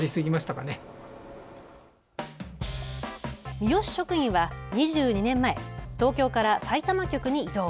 三好職員は２２年前東京からさいたま局に異動。